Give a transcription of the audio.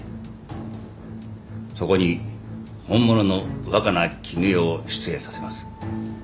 そこに本物の若菜絹代を出演させます。